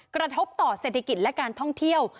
กระทบต่อเศรษฐกิจและการท่องเที่ยว